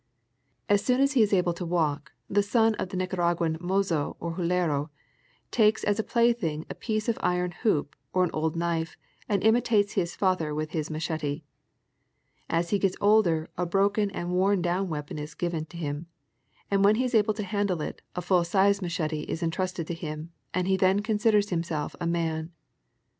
As soon as he is able to walk, the son of the Nicaraguan raozo or hidero takes as a plaything a piece of iron hoop or an old knife, and imitates his father with his machete. As he gets older a broken or worn down weapon is given him, and when he is able to handle it, a full size machete is entrusted to him and he then considers himself a man.